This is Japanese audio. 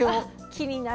気になる。